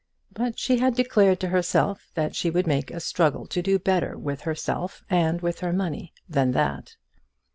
But she had declared to herself that she would make a struggle to do better with herself and with her money than that.